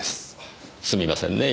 すみませんねぇ